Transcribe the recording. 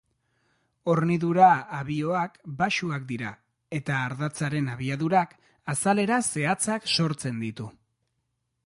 Hornidura-abioak baxuak dira eta ardatzaren abiadurak azalera zehatzak sortzen ditu.